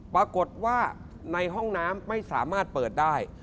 ปรากฏว่าในห้องน้ำไม่สามารถเปิดได้